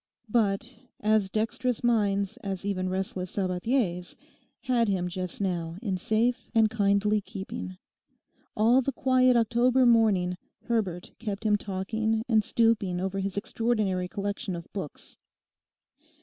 But as dexterous minds as even restless Sabathier's had him just now in safe and kindly keeping. All the quiet October morning Herbert kept him talking and stooping over his extraordinary collection of books.